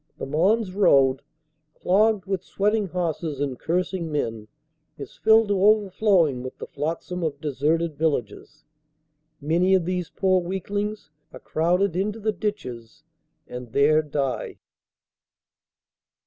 The Mons Road, clogged with sweating horses and cursing men, is filled to overflowing with the flot sam of deserted villages. Many of these poor weaklings are crowded into the ditches and there die.